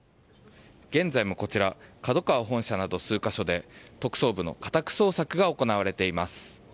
現在も、こちらＫＡＤＯＫＡＷＡ本社など数か所で、特捜部の家宅捜索が行われています。